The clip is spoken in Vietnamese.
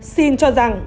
xin cho rằng